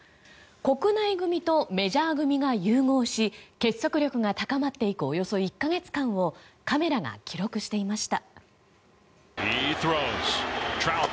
国内組とメジャー組が融合し結束力が高まっていくおよそ１か月間をカメラが記録していました。